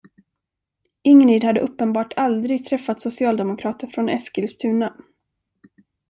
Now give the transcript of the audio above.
Ingrid hade uppenbart aldrig träffat socialdemokrater från Eskilstuna.